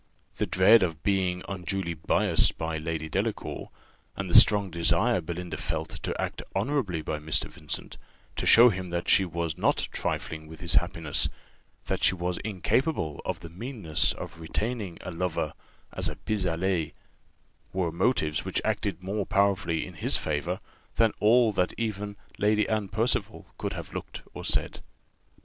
The dread of being unduly biassed by Lady Delacour, and the strong desire Belinda felt to act honourably by Mr. Vincent, to show him that she was not trifling with his happiness, and that she was incapable of the meanness of retaining a lover as a pis aller, were motives which acted more powerfully in his favour than all that even Lady Anne Percival could have looked or said.